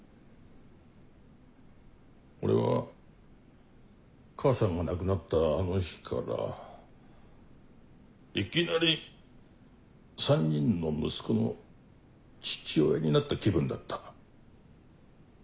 俺は母さんが亡くなったあの日からいきなり３人の息子の父親になった気分だった。